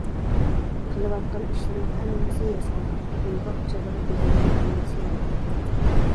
قىلىۋاتقان ئىشلىرىنىڭ ھەممىسى ياسالغان، ئويغاق چېغىدا دېگەنلىرىنىڭ ھەممىسى يالغان.